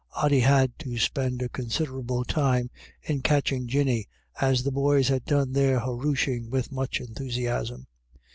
Ody had to spend a considerable time in catching Jinny, as the boys had done their huroooshing with much enthusiasm.